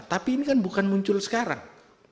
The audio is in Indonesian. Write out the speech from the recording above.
tapi ini kan bukan muncul sekarang